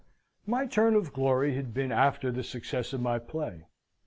My turn of glory had been after the success of my play.